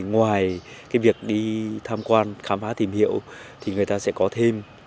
ngoài cái việc đi tham quan khám phá tìm hiểu thì người ta sẽ có thêm